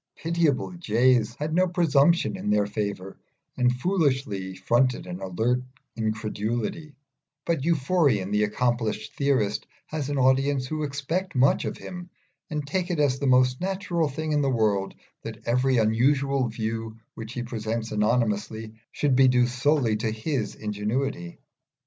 The pitiable jays had no presumption in their favour and foolishly fronted an alert incredulity; but Euphorion, the accomplished theorist, has an audience who expect much of him, and take it as the most natural thing in the world that every unusual view which he presents anonymously should be due solely to his ingenuity.